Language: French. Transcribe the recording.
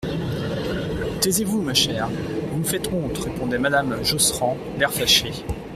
Taisez-vous, ma chère, vous me faites honte, répondait madame Josserand, l'air fâché.